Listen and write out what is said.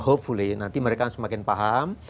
hopefully nanti mereka semakin paham